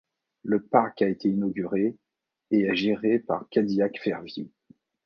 Le parc a été inauguré et est géré par Cadillac Fairview.